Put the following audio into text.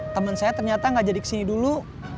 teman saya ternyata gak jadi kesini dulu